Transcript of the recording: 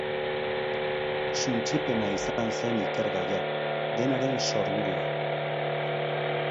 Suntsipena izan zen ikergaia, denaren sorburua.